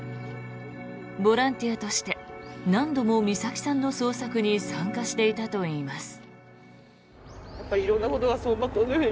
ボランティアとして何度も美咲さんの捜索に参加していたといいます。